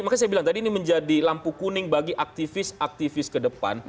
makanya saya bilang tadi ini menjadi lampu kuning bagi aktivis aktivis ke depan